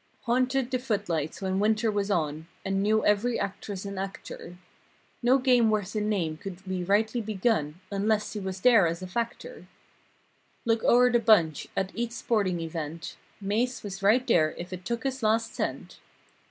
Haunted the foot lights when winter was on. And knew ever actress and actor. No game worth the name could be rightly begun Unless he was there as a factor. Look o'er the bunch at each sporting event— Mase was right there if it took his last cent.